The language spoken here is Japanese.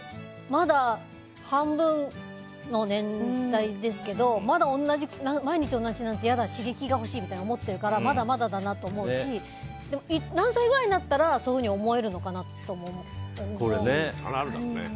まだ半分の年代ですけど毎日、同じなんて嫌だ刺激が欲しいみたいに思ってるからまだまだだなと思うし何歳ぐらいになったらそういうふうに思えるのかなって思う。